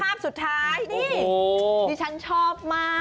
ภาพสุดท้ายนี่ดิฉันชอบมาก